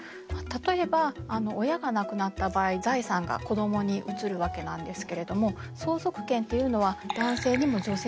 例えば親が亡くなった場合財産が子どもに移るわけなんですけれども相続権っていうのは男性にも女性にもありました。